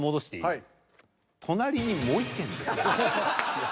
はい。